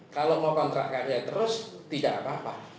kalau mau kontrak karya terus tidak apa apa